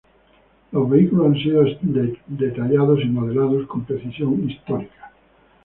Los vehículos han sido detallados y modelados con precisión histórica.